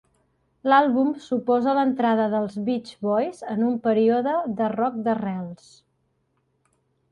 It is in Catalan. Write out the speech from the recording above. L'àlbum suposa l'entrada dels Beach Boys en un període de rock d'arrels.